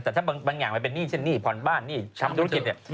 แต่ถ้าบางอย่างมันเป็นหนี้เช่นหนี้ผ่อนบ้านหนี้ทำธุรกิจเนี่ย